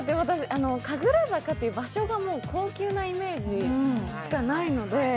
神楽坂という場所が高級なイメージしかないので。